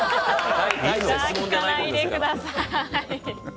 じゃあ、聞かないでください。